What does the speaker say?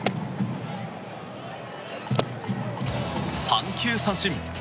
三球三振！